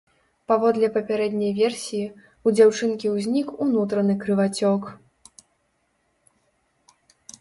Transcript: Паводле папярэдняй версіі, у дзяўчынкі ўзнік унутраны крывацёк.